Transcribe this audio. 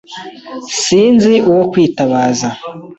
Sinzi uwo kwitabaza.